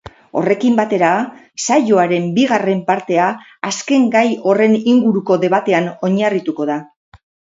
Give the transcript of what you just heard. Horrekin batera, saioaren bigarren partea azken gai horren inguruko debatean oinarrituko da.